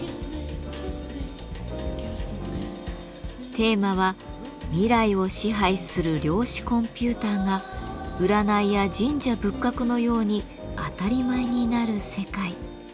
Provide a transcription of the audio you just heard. テーマは「未来を支配する量子コンピューターが占いや神社仏閣のように当たり前になる世界」。